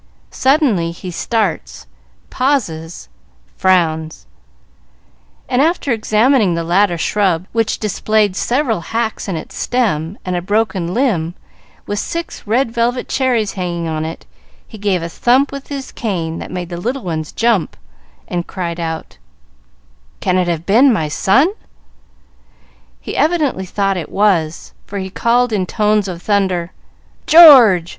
Suddenly he starts, pauses, frowns, and, after examining the latter shrub, which displayed several hacks in its stem and a broken limb with six red velvet cherries hanging on it, he gave a thump with his cane that made the little ones jump, and cried out, "Can it have been my son?" He evidently thought it was, for he called, in tones of thunder, "George!